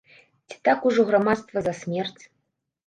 Ці так ужо грамадства за смерць?